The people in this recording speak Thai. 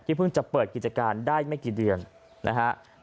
เพิ่งจะเปิดกิจการได้ไม่กี่เดือนนะฮะ